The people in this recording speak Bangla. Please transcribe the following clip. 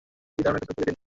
কী দারুণ একটা ঝকঝকে দিন!